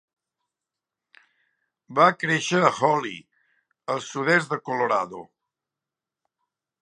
Va créixer a Holly, al sud-est de Colorado.